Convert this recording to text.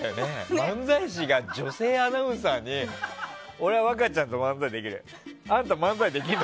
漫才師が女性アナウンサーに俺はわかちゃんと漫才できるよ。